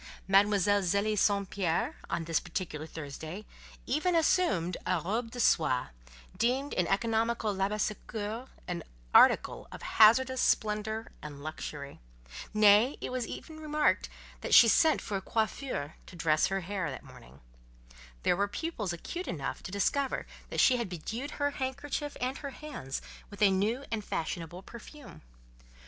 Mademoiselle Zélie St. Pierre, on this particular Thursday, even assumed a "robe de soie," deemed in economical Labassecour an article of hazardous splendour and luxury; nay, it was remarked that she sent for a "coiffeur" to dress her hair that morning; there were pupils acute enough to discover that she had bedewed her handkerchief and her hands with a new and fashionable perfume.